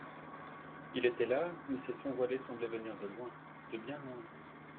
Il était là, mais ses sons voilés semblaient venir de loin, de bien loin.